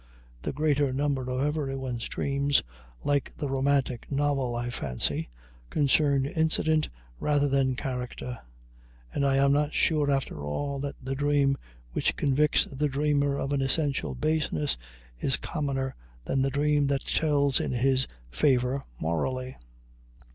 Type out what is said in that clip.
The greater number of everyone's dreams, like the romantic novel, I fancy, concern incident rather than character, and I am not sure, after all, that the dream which convicts the dreamer of an essential baseness is commoner than the dream that tells in his favor morally.